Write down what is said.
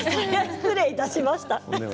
失礼いたしました。